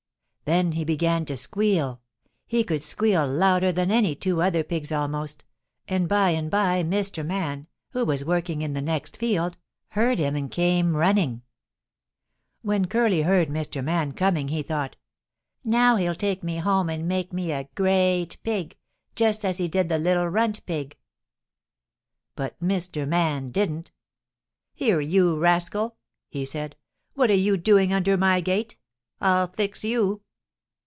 "Then he began to squeal. He could squeal louder than any two other pigs almost, and by and by Mr. Man, who was working in the next field, heard him and came running. When Curly heard Mr. Man coming he thought, 'Now he'll take me home and make me a great pig, just as he did the little runt pig.' But Mr. Man didn't. 'Here, you rascal!' he said, what are you doing under my gate? I'll fix you.'